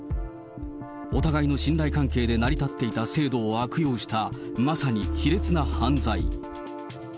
お互いの信頼関係で成り立っていた制度を悪用した、まさに卑劣な犯罪。